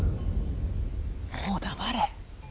もう黙れ！